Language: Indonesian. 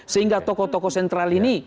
sehingga tokoh tokoh sentral ini